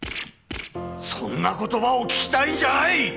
そんな言葉を聞きたいんじゃない！